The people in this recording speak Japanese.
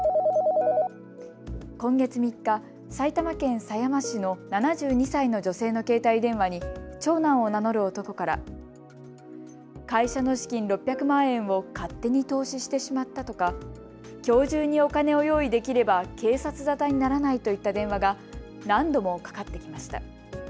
今月３日、埼玉県狭山市の７２歳の女性の携帯電話に長男を名乗る男から会社の資金６００万円を勝手に投資してしまったとかきょう中にお金を用意できれば警察沙汰にならないといった電話が何度もかかってきました。